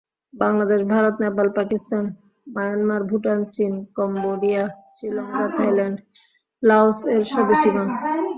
Bangladesh, Bharat, Nepal, Pakistan, Myanmar, Bhutan, চীন, Cambodia, Sri Lanka, Thailand, Laos এর স্বদেশী মাছ।